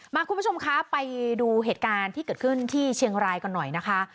คุณผู้ชมคะไปดูเหตุการณ์ที่เกิดขึ้นที่เชียงรายกันหน่อยนะคะ